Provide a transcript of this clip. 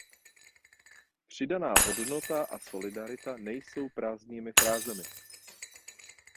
Přidaná hodnota a solidarita nejsou prázdnými frázemi.